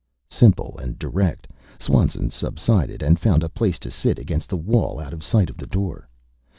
Simple and direct. Swanson subsided and found a place to sit, against the wall, out of sight of the door.